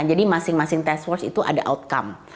nah jadi masing masing task force itu ada outcome